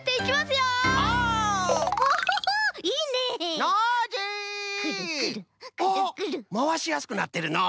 おっまわしやすくなってるのう。